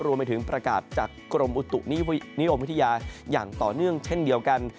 รวมไปถึงประกาศจากกรมอุตุนิยมวิทยาอย่างต่อเนื่องเช่นเดียวกัน